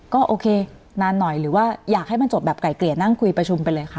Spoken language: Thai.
ก็โอเคนานหน่อยหรือว่าอยากให้มันจบแบบไก่เกลี่ยนั่งคุยประชุมไปเลยค่ะ